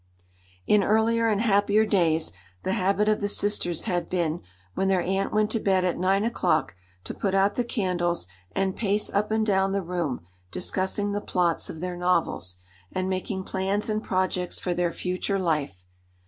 In earlier and happier days the habit of the sisters had been, when their aunt went to bed at nine o'clock, to put out the candles and pace up and down the room discussing the plots of their novels, and making plans and projects for their future life.